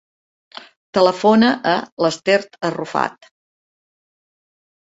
Telefona a l'Esther Arrufat.